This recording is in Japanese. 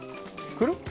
くるっ。